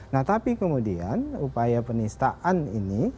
nah tapi kemudian upaya penistaan ini